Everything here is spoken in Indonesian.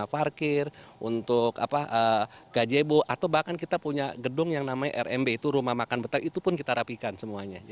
untuk jualan parkir untuk gaji ebo atau bahkan kita punya gedung yang namanya rmb itu rumah makan betah itu pun kita rapikan semuanya